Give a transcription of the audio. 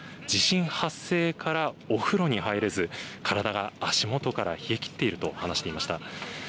地震発生からお風呂に入れず、体が足元から冷えきっていると話していました。